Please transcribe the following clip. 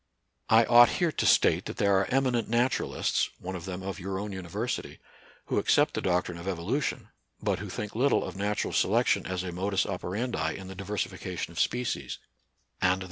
I ought here to state that there are eminent naturalists (one of them of your own university) who accept the doctrine of evolution, but who think little of natural selection as a modus oper andi in the diversification of species j and there NATURAL SCIENCE AND RELIGION.